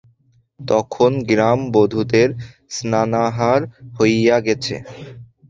তখন গ্রামবধূদের স্নানাহার হইয়া গেছে।